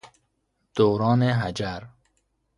دوران حجر